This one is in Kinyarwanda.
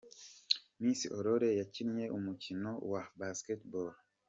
Miss Aurore yakinnye umukino wa Basketball.